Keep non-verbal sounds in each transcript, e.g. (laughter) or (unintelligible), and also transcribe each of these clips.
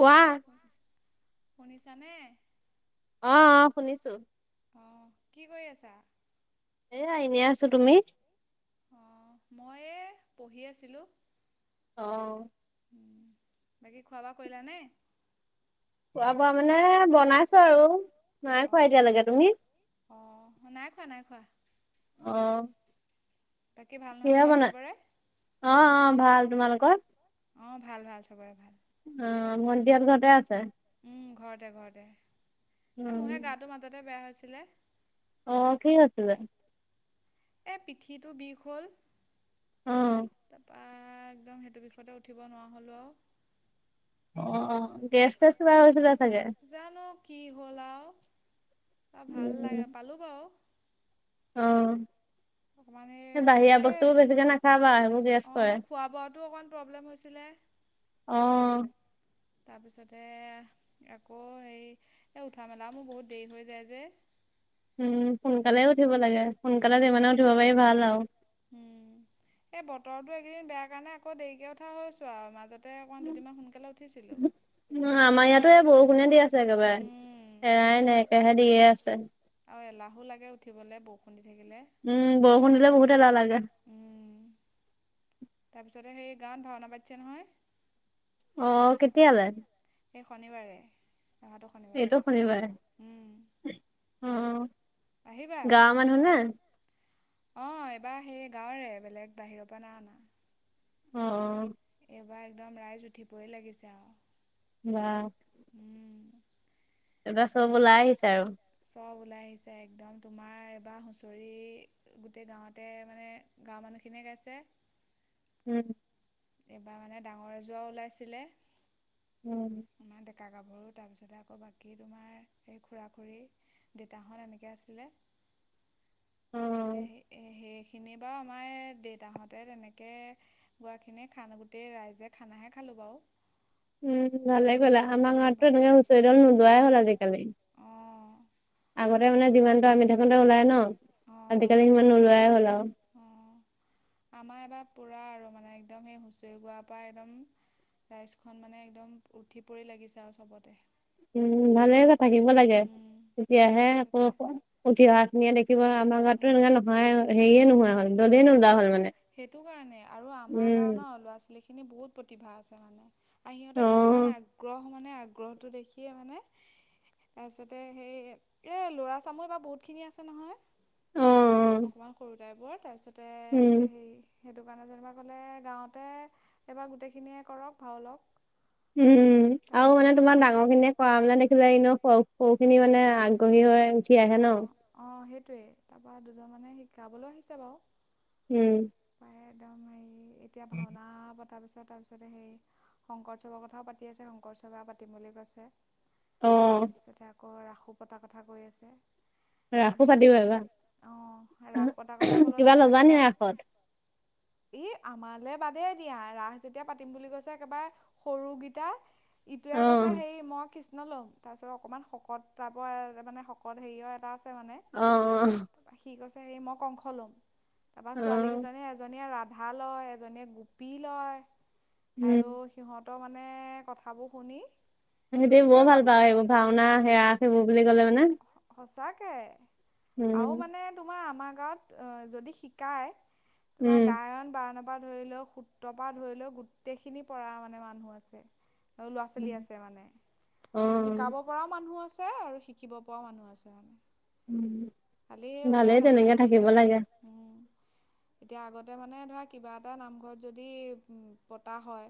কোৱা। শুনিছা নে? অ' অ' শুনিছো। অ'হ। কি কৰি আছা? এ আ এনে আছো। তুমি? অঁ মই এ পঢ়ি আছিলোঁ। অহ। উম। বাকী খোৱা-বোৱা কৰিলা নে? খোৱা বোৱা মানে বনাইছো আৰু নাই খোৱা এতিয়ালৈকে তুমি? অ' নাই খোৱা নাই খোৱা। অ। বাকী ভাল নহয় কিহে ঘৰত বনাই চবৰে? অ অ ভাল তোমালোকৰ? অ ভাল। ভাল। চবৰে ভাল। অ ভন্টিহত ঘৰতে আছে? উম। ঘৰতে। ঘৰতে। এ উম মোৰ হে গাটো মাজতে বেয়া হৈছিলে। অ কি হৈছিলে? এ পিঠিটো বিষ হ'ল অ তা পা একদম সেইটো বিষতে উঠিব নোৱাৰা হ'লো আৰু। অ' অ' গেছ চেছ কিবা হৈছিলে চাগে। জানো কি হ'ল আৰু। ভাল উম লাগে। পালো বাৰু। অহ। (inaudible) মানে এ বেছিকে নাখাবা সেইবোৰ গেছ কৰে এই খোৱা-বোৱাতো অকণমান প্ৰব্লেম হৈছিলে। অহ। তাৰপিছতে আকৌ হেই এই উঠা-মেলা মোৰ বহুত দেৰি হৈ যায় যে। উম সোনকালে উঠিব লাগে। সোনকালে উম, যিমানে উঠিব পাৰি ভাল আৰু। সি বেয়া কাৰণে আকৌ দেৰিকে উঠা হৈছো আৰু মাজত। তাতে অকণ দুদিনমান সোনকালে উঠিছিলো। উম আমাৰ ইয়াতো এই বৰষুণে দি আছে একেবাৰে এৰাই নাই। একেৰাহে দিয়ে আছে। আৰু এলাহো লাগে উঠিবলে বৰষুণ দি থাকিলে উম। বৰষুণ দিলে বহুত এলাহ লাগে। তাছতে হেই গাঁৱত ভাওনা পাতিছে নহয়। অ' কেতিয়ালে? এই শনিবাৰে অহাটো শনিবাৰে। আহিবা গাঁৱ মানুহ নে? অ এইবাৰ সেই গাঁৱৰে। বেলেগ বাহিৰৰ পৰা নাই অনা। অহ। কেতিবাৰ একদম ৰাইজ উঠিবই লাগিছে আৰু। বাহ উম, এবা চব একদম ওলাই আহিছে আৰু। চব ওলাই আহিছে একদম, তোমাৰ এবাৰ হুঁচৰি গোটেই গাঁৱতে মানে গাঁৱৰ মানুহখিনিয়ে পিছে উম। এইবাৰ মানে ডাঙৰ এজৰ ওলাইছিলে। উম। ডেকা-গাভৰু, তাৰপিছতে আকৌ বাকী তোমাৰ এই খুৰা-খুৰী, দেতাহত এনেকে আছিলে। অ'। এহে এহে খিনি বাৰু আমাৰ দেউতাহঁতে তেনেকৈ গোৱাখিনিক। খানা গোটেই ৰাইজে খানাহে খালোঁ বাৰু। উম, ভালে গ'লা। আমাৰ গাঁতো বাকী এনেকে হুঁচৰি ডল নোলোৱাই হল আজিকালি। অঁ আগতে মানে যিমানটো আমি থাকোতে ওলাই ন। অঁ আজিকালি সিমান নোলোৱাই হ'ল আও, অঁ আমাৰ এবাৰ পুৰা আৰু মানে একদম সেই হুঁচৰি গোৱাৰ পৰা একদম, ৰাইজখন মানে একদম উঠি পৰি লাগিছে আৰু চবতে, উম, ভালে যে থাকিব লাগে উম, তেতিয়াহে আকৌ তাৰপিছতে উঠি অহা খিনিয়ে দে কিবা আমাৰ গাঁৱ তো উম, এনেকুৱ নহয়। হেয়ে নহয়, সেইটো, সেইটো কাৰণে আৰু আমাৰ উম। গাওঁ ন ল'ৰা ছোৱালী খিনি খিনি বহুত প্ৰতিভা আছে মানে আৰু সিহঁতে অ' ইমান আগ্ৰহ। অকনমান আগ্ৰহটো দেখিয়ে মানে, তাৰপিছ্তে সেই এ লৰা চামৰি বা বহুত খিনি আছে নহয়। অ অকমান সৰু টাইপৰ বোৰ তাৰপিছতে উম হেৰি সেইটো কাৰণে যেনিবা ক'লে গাঁৱতে। এবাৰ গোটেইখিনিয়ে কৰক ভাও লক। উম, আৰু মানে তোমাৰ ডাঙৰ খিনে কৰা মানা দেখিলা ন। সৰু খিনি মানে আগ্ৰহী হয়। অঁ অ সেইটোৱেই তাৰপৰা দুজন মানে শিকাবলৈ আহিছে বাৰু। উম, প্ৰায় একদম হেৰি এতিয়া ভাওনা প তাৰপিছত-তাৰপিছতে সেই শংকৰউৎসৱৰ কথাও পাতি আছে শংকৰ উৎসৱে পাতিম বুলি কৈছে। অ তাৰপিছতে আকৌ ৰাসো পতাৰ কথা কৈ আছে। ৰাসো পাতিব এইবা অহ, ৰাস পতাৰ কথা ক'লো আকৌ ল'বা নি একেবাৰে। ৰাসত ই আমালৈ বাদে দিয়া। ৰাস যেতিয়া পাতিম বুলি কৈছে একেবাৰে সৰু কেইটা অ ইটোৱে কৈছে হেৰি মই কৃষ্ণ ল'ম। তাৰপিছত অকণমান শকত পাব মানে শকত হেৰিয় মানে অ অ ত সি কৈছে হে মই কংস লম। তাৰপৰা ছোৱালী অ কেইজননে এজনীয়ে ৰাধা লয়, এজনীয়ে গোপী লয়। উম, ত মানে কথাবোৰ শুনি সিহতে তাকে বৰ ভাল ভাব পায়, সেইবোৰ ভাওনা সেৱা, সেইবোৰ বুলি ক'লে মানে। সঁচাকে আৰু উম মানে তোমাৰ আমাৰ গাঁৱত যদি শিকায়। তোমাৰ উম গায়ন বাৰয়ন পৰা ধৰি লওক সূত্ৰৰ পৰা ধৰি লওক গোটেইখিনি পৰা মানে মানুহ আছে। আৰু ল'ৰা ছোৱালী আছে মানে অ শিকাব পৰাও মানুহ আছে আৰু শিকিব পোৱা মানুহ আছে। মানে উম কালি ওলাই ভালেই নাহে তেনেকে থাকিব বুলিহে লাগে উম, এতিয়া আগতে মানে ধৰা কিবা এটা নামঘৰত যদি উম, পতা হয়।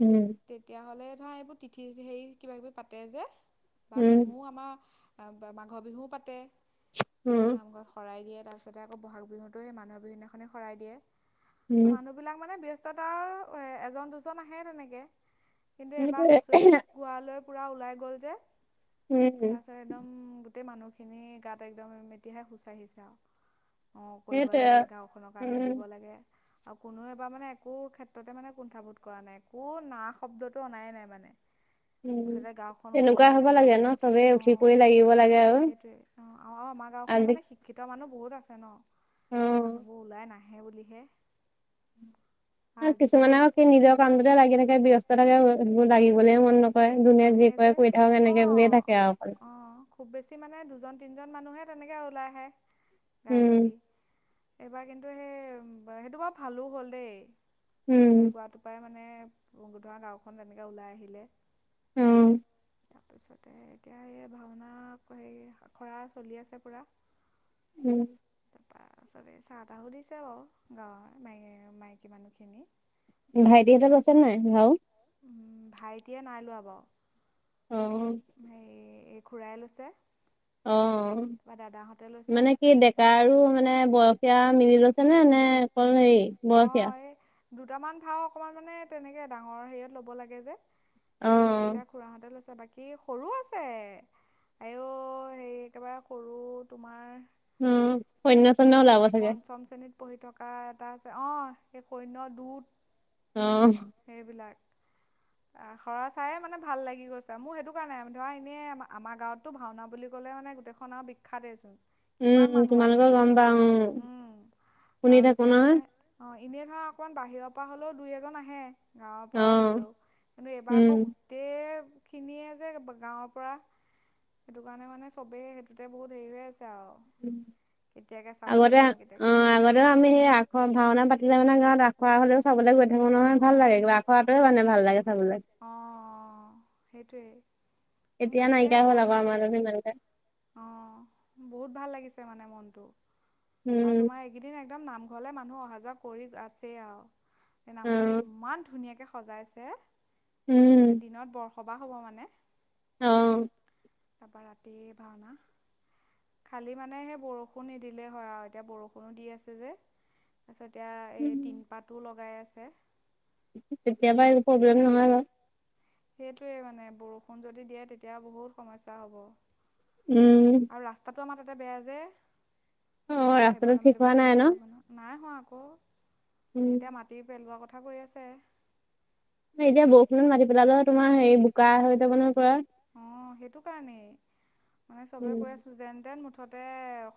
উম তেতিয়াহ'লে ধৰা এইবোৰ তিথি হেৰি কিবা কিবি পাতে যে। বা উম বিহুও আমাৰ মাঘৰ বিহুও পাতে, উম নামঘৰত শৰাই দিয়ে। তাৰপিছতে আকৌ বহাগ বিহুতো সেই মানুহৰ বিহুনাখননেি শৰাই দিয়ে, উম মানুহ বিলাক মানে ব্যস্ত তাৰ পিছত এজন দুজন আহে, তেনেকে কিন্তু এবাৰ সেইটোৱে হুঁচৰি গোৱ লৈ পুৰা ওলাই গ'ল যে। উম তাৰপিছত একদম গোটেই মানুহখিনি গাত একদম এতিয়াহে হুচ আঢহিছে আৰু অ, কৰিব সেইটোৱে লাগে, গাঁওখনৰ কাৰণে উম দিব লাগে। আৰু কোনোৱে এবাৰ মানে একো ক্ষেত্ৰতে মানে কুণ্ঠাবোধ কৰা নাই। একো না শব্দত অনায়ে নাই মানে। উম, মুঠতে গাঁওখন তেনেকুৱা হব লাগে ন, চবে উঠি কৰি লাগিব লাগে আৰু সেইটোয়ে অ' আমাৰ গাওখন আজি মানে শিক্ষিত মানুহ বহুত আছে ন অ ত মানুহবোৰ ওলাই নাহে বুলিহে। আৰু কিছুমানেও স নিজৰ কামটোতে লাগি থাকে ব্যস্ত থাকে সেইবোৰ লাগিবলে মন নকৰে। যোনে যি নাহে কৰে যে কৰি থাকক অ এনেকে বুলিয়ে থাকে আৰু অকল অ খুব বেছি মানে দুজন তিনিজন মানুহে তেনেকৈ ওলাই আহে গাই উম প্ৰতি এইবাৰ কিন্তু সেই সেইটো বাৰু ভালো হ'ল দেই হুচৰি উম গোৱাটো পৰাই মানে মানে ধৰা গাঁওখন তেনেকৈ ওলাই আহিলে উমহ তাৰপিছতে এতিয়া স ভাওনা আখৰা চলি আছে পূৰা। উম তাৰপা চবেই চাহ তাহো দিছে বাৰু গাঁৱৰ মাই মাইকী মানুহখিনি ভাইটিহঁতত আছে নাই ভাও ভাইটিয়ে নাই লোৱা অ বাৰু হেৰি এই খূৰাই লৈছে। অ' তাৰপৰা দাদাহঁতে লৈছে মানে কি ডেকাৰো মানে বয়স সেয়া মিলি লৈছে নে নে অল হেৰি বৰসীয়া অঁ এই দুটামান ভাও অকণমান মানে তেনেকৈ ডাঙৰ হেৰিয়ত ল'ব লাগে যে অ সেইকেইটা খোৰাহঁতে লৈছা বাকী। বাকী সৰু আছে আইও হে একেবাৰে সৰু তোমাৰ উম সন্য চন্য হেৰি ওলাব চাগে পঞ্চম শ্ৰেণীত পঢ়ি থকা এটা আছে অ সেই সন্য দুত অ সেইবিলাক (unintelligible) আখৰা চায়ে মানে ভাল লাগি গৈছে মোৰ সেইটো কাৰণাই ধৰা এনেই আমাৰ গাঁৱতটো ভাওনা বুলি ক'লে মানে। নাই গোটেইখন আৰু বিখ্যাতেই চোন। উম তোমালোকৰ গম পা অ উম শুনি থাকো নহয়। অ' এনেই ধৰা অকমান বাহিৰৰ পৰা হলেও দুই এজন আহে গাঁৱৰ পৰা অ', ললেও কিন্তু এইবাৰ উম, আকৌ গোটেই খিনিয়ে যে গাঁৱৰ পৰা সেইটো কাৰণে মানে চবেই সেইটোতে বহুত হেৰি হৈ আছে আৰু কেতিয়াকৈ চাবলৈ আগতে পাম অ কেতিয়াকৈ চাবলৈ পাম আগতেও আমি সেই আখৰ ভাওনা পাতিলে মানে গাঁৱত আখৰা হলেও চাবলৈ গৈ থাকো নহয়। ভাল লাগো আখুৱাতোৱোনে ভাল লাগে। চাবলৈ। অ' সেইটোৱে এতিয়া নাইকিয়া হ'ল আকৌ আমাৰাজত সিমানকে। অ বহুত ভাল লাগিছে মানে মনটো আৰু উম, তোমাৰ এইকেইদিন একদম নাম ঘৰলৈ মানুহ অহা যোৱা কৰি আছেই আৰু এই নামঘৰটো অ', ইমান ধুনীয়াকৈ সজাইছে। দিনত বৰসবাহ হ'ব মানে। আহ তাৰ পৰাৰা ৰাতি ভাওনা। খালি মানে সেই বৰষুণ নিদিলে হয়। আৰু এতিয়া বৰষুণো দি আছে যে তাৰপিছত এয়া এই তিনপাতো লগাই আছে কেতিয়াবা এই প্ৰব্লেম নহয় ব। সেইটোৱে মানে বৰষুণ যদি দিয়ে তেতিয়া বহুত সমস্যয়া হ'ব। উম। টো আমাৰ তাতে বেয়া যে অ', মানুহবোৰ ৰাস্তাটো আহিবলৈ ঠিক হোৱা মেলিবলৈ নাই ন? দিগদাৰ হ'ব নহ নাই হোৱা। আকৌ উম। এতিয়া মাটি পেলোৱাৰ কথা কৈ আছে। এতিয়া বৰষুণত মাতি পেলা তোমাৰ হেৰি বোকা হয ভ যাব নহয়। পুৰা। অ 'সেইটো কাৰণেই মানে চবে উম, কৈ আছো যেন তেন্তে মুঠ মুঠতে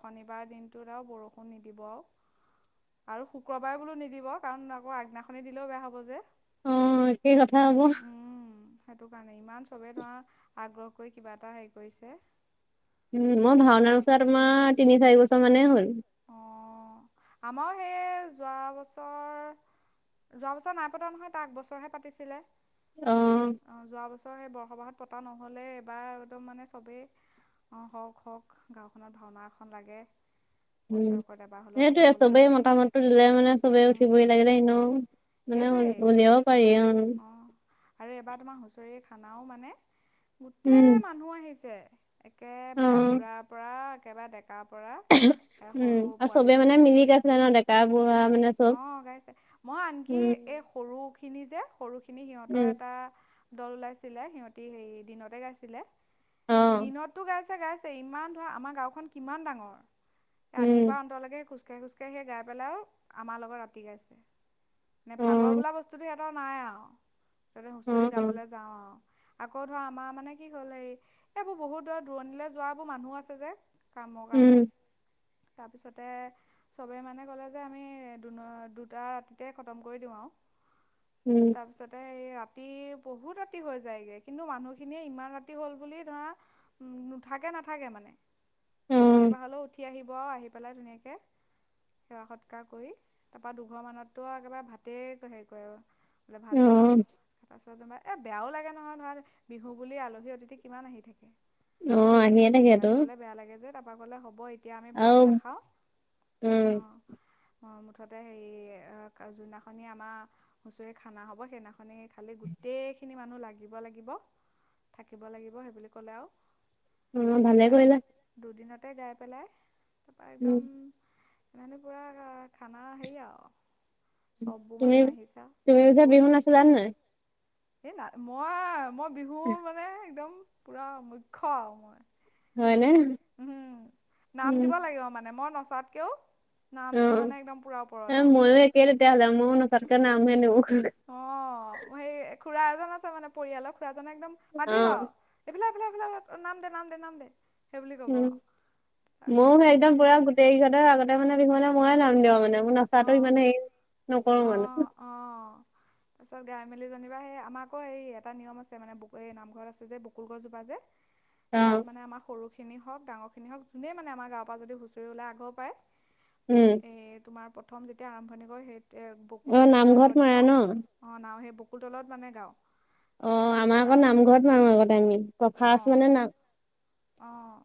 শনিবাৰ দিনটোত আৰু বৰষুণ নিদিব আৰু শুক্ৰবাৰে বোলো নিদিব কাৰণ আকৌ আগদিনাখননি দিলেও বেয়া হ'ব যে। অ একেই কথা হ'ব। উম সেইটো কাৰণে, ইমান চবেই ধৰা আগ্ৰহ কৰি কিবা এটা হেৰি কৰিছে৷ উম, মই ভাওনা নোচোৱা তোমাৰ তিনি চাৰি বছৰ মানে হ'ল৷ মই সেই যোৱা বছৰ, যোৱা বছৰ নাই পতা নহয়। তা আগ বছৰহে পাতিছিলে৷ অ যোৱা বছৰ সেই বৰসবাহত পতা নহলে এবাৰ একদম মানে চবেই অ', হওঁক হওঁক গাওঁখনত ভাওনা এখন লাগে বছৰেকৰত এবাৰ হ'লেও পা চবেইে মতামত ল'লে মানে চবেই উম উঠিপৰি লাগিলে উম এনেও মানে সেইটোৱেই উলিৱাব পাৰি। অ'হ। অঁ আৰু এইবাৰ তোমাৰ হুঁচৰি খানাও মানে উম গোটেই মানুহ আহিছে। অ একেবাৰে বুঢ়াৰ পৰা একেবাৰে ডেকাৰ পৰা এ উম সৰু আৰু পোৱালি। চবে মানে মিলি গাইছিলে মানে ডেকা বুঢ়া মানে চব, অঁ গাইছে মই আনকি উম। এই সৰুখিনি যে সৰুখিনি সিহঁতৰ উম এটা দল ওলাইছিলে সিহঁতি হেৰি দিনতে গাইছিলে, অ দিনটো গাইছে গাইছে ইমান ধৰা আমাৰ গাওখন কিমান ডাঙৰ? আদিৰ উম পৰা অন্তলৈকে খোজ কাঢ়ি, খোজ কাঢ়ি সেই গাই পেলাই আৰু আমাৰ লগত ৰাতি গাইছে মানে অ ভাগৰ বোলা বস্তুতো নাই আৰু তাতে অ হুঁচৰি অ গাবলৈ যাওঁ আৰু৷ আকৌ ধৰা আমাৰ মানে কি হ'ল, এই এইবোৰ বহুতৰ দূৰণিলৈ যোৱাবোৰ মানুহ আছে যে৷ কামৰ উম কাৰণে তাৰপিছতে চবে মানে ক'লে যে আমি দুটা ৰাতিতে খতম কৰি দিওঁ আৰু। উম তাৰপিছতে এয়া ৰাতি বহুত ৰাতি হৈ যায়গে। কিন্তু মানুহখিনিয়ে ইমান ৰাতি হ'ল বুলি ধৰা নুঠাকে নাথাকে অ মানে৷টোপনি-পা হলেও উঠি আহিব আৰু, আহি পেলাই ধুনীয়াকে সেৱা- সৎকাৰ কৰি তাৰপা দুঘৰ মাতটো আ একেবাৰে ভাতে হেৰি কৰে আৰু বোলে ভাত অ বনাওঁ তাৰপিছত (unintelligible) বেয়াও লাগে নহয় ধৰা, বিহু বুলি আলহী-অতিথি কিমান আহি থাকে। অ আহিয়ে থাকেতো দিগদাৰ দিবলৈ বেয়া লাগে যে, তাৰপৰা ক'লে, হ'ব এতিয়া আমি ভাত আৰু নাখাওঁ৷ উম অ'। অ', মুঠতে হেৰি যোনদিনাখনি আমাৰ হুঁচৰি খানা হ'ব সেইদিনাখন মানে খালে গোটেই খিনি মানুহ লাগিব লাগিব৷ থাকিব লাগিব সেইবুলি ক'লে আৰু৷ অ' ভালে কৈলা। তাতে গাই পেলাই, তাৰপৰা উম একদম মানে পুৰা খানা হেই আও। তুমি-তুমি যে বকুল বিহু নাচিলা নাই? এই নাই, মই-মই বিহু মানে একদম পুৰা মুখ্য আৰু মই৷ হয়নে উম। নাম উম দিব লাগিব, মানে মই নচাতকেও অ নামটো মানে একদম পুৰা এ ওপৰত ময়ো আৰু৷ (unintelligible) অ', সেই খুৰা এজন আছে মানে পৰিয়ালৰ, খুৰাজনে একদম অ মাতিব আৰু, এইফালে (unintelligible) নাম দে নাম দে নাম দে। সেই বুলি ক'ব উম৷ আৰু। তাৰপিছত ময়ো সেই তেনেকৈ একদম পুৰা গায় গোটেই কেইঘৰতে আগতে মানে বিহু হলে ময়ে নাম দিওঁ মানে আও। নচাটো অ', ইমানে হেৰি নকৰো মানে। (inaudible) তাৰপছত গাই মেলি যেনিবা, সেই আমাৰ আকৌ এই এটা নিয়ম আছে মানে ব এই নামঘৰত আছে যে বকুল গছজোপা যে অ তাত মানে আমাৰ সৰুখিনি হওঁক ডাঙৰখিনি হওঁক, যোনেই মানে আমাৰ গাৱঁৰ পৰা যদি হুঁচৰি ওলাই আগৰ পায় উম এ তোমাৰ প্ৰথম যেতিয়া আৰম্ভণি কৰে, সেই এ অ বকুল তলতে নামঘৰত আৰম্ভণি মাৰে ন কৰোঁ৷অ' ন সেই বকুল তলত মানে গাও৷ অ' আমাৰ আকৌ নামঘৰত মাৰো আগতে আমি৷ ত ফাষ্ট মানে নাম অ'।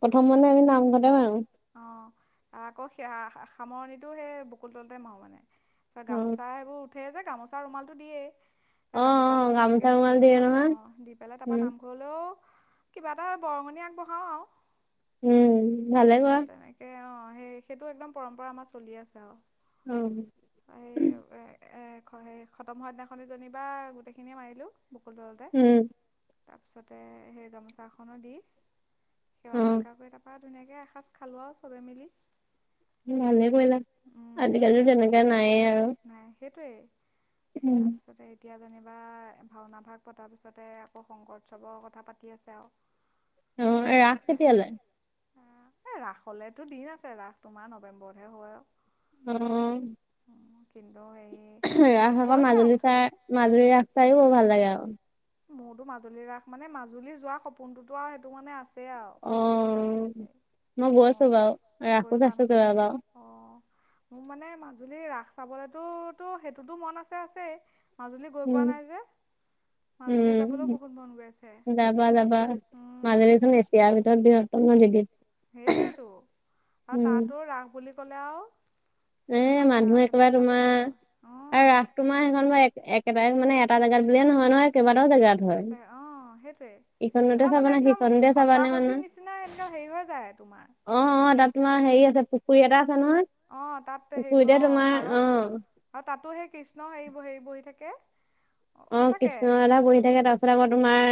প্ৰথম মানে আমি তাৰপিছতে। নামঘৰতে মাৰো অ' আৰু আকৌ সেয়া সামৰণিটো সেই বকুল তলতে মাৰোঁ মানে তাৰছত অ গামোচা এইেইবোৰ উঠে যে গামোচা ৰুমালটো দিয়েই এ অ গামোচাখন অ ধুনীয়াকে গামোচা বকুল ৰুমাল দিয়ে তলত নহয় আহ দি পেলাই তাৰপা উম নামঘৰলেও কিবা এটা বৰঙণি আগবঢ়াও আৰু উম ভালে কোৱা তাৰপিছত তেনেকৈ অঁ সেই সেইটো একদম পৰম্পৰা আমাৰ চলি আছে আৰু অ এই সেই খতম হোৱা দিনাখনজনী বাা গোটেইখিনিয়ে মাৰিলো বকুল তলতে উম তাৰপিছতে সেই গামোচা এখনো দি সেৱা অ সৎকাৰ কৰি তাৰপৰা ধুনীয়াকৈ এসাঁজ খালোঁ আৰু চবে মিলি ভালে কৰিলা আজিকালি তেনেকুৱা নাইে আৰু নাই সেইটোৱেই তাৰপিছতে এতিয়া যেনিবা ভাওনা ভাগ পতাৰ পিছতে আকৌ শংকৰ উৎসৱৰ কথা পাতি আছে আৰু। অ ৰাখকেতিয়ালে। এ ৰাস হলেতো দিন আছে ৰাস তোমাৰ নৱেম্বৰত হে হয় আৰু। উম। কি ৰাসক মাজুলী চাই মাজুলী ৰাস চাইও বহুত ভাল লাগে আৰু মোৰতো মাজুলী ৰাস মানে মাজুলী যোৱা সপোনটোতো আৰু সেইটো মানে আছে। অ মই এ গৈ আছো অঁ বাৰু ৰাখো গৈছা ন? আছো কিবা বাৰু অঁ মোৰ মানে মাজুলীৰ ৰাস চাবলেতোতো সেইটোতো মন আছে আছেই মাজুলী গৈ পোৱা উম নাই যে মাজুলী যাবলৈও বহুত মন গৈ আছে। উম যাবা যাবা উম মাজেছোন নেচিয়াৰ ভিতৰত দি (inaudible) সেইটোৱেতো আৰু উম তাতো ৰাস বুলি কলে আৰু এ কেনেকুৱা হয় মানুহ আৰু কেনেকুৱা একেবাৰে এটা তোমাৰ পৰিৱেশ হয়। অঁ আৰু ৰাস তোমাৰ সেইখন বা। (unintelligible) অ সেইটোৱে ইখনতে আৰু মানে চাবানে একদম সিখনতে সঁচা চাবানে মানে শচিৰ নিচিনা এনে হেৰি হৈ যায় তোমাৰ। অ অ তাত তোমাৰ হেৰি আছে পুখুৰী এটা আছে নহয় অ তাত হেৰি পুখুৰীতে অ তোমাৰ পাৰত আৰু তাতো সেই কৃষ্ণ হে বহি থাকে। অ সঁচাকে কৃষ্ণ ৰাধা পঢ়ি থাকে তাৰ পিছত আকৌ উম। তোমাৰ